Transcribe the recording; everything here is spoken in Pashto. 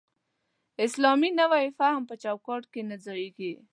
اسلامي نوی فهم په چوکاټ کې نه ځایېږي.